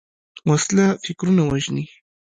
وسله فکرونه وژني